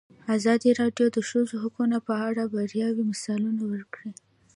ازادي راډیو د د ښځو حقونه په اړه د بریاوو مثالونه ورکړي.